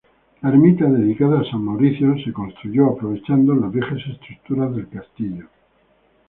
La ermita dedicada a San Mauricio se construyó aprovechando las viejas estructuras del castillo.